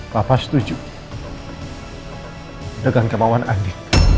bapak setuju dengan kemauan andi